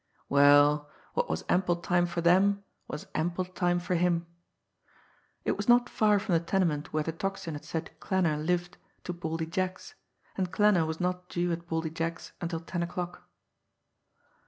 Well, what was ample time for them, was ample time for him! It was not far from the tenement where the Tocsin had said Klanner lived to Baldy Jack's and Klanner was not due at Baldy Jack's until ten o'clock.